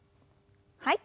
はい。